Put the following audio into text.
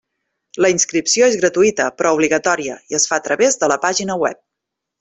La inscripció és gratuïta però obligatòria i es fa a través de la pàgina web.